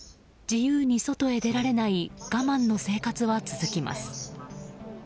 自由に外へ出られない我慢の生活は続きます。